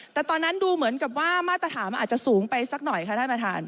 แต่ตอนนั้นดูเหมือนกับว่ามาตรฐานอาจจะสูงไปสักหน่อยค่ะท่านประธาน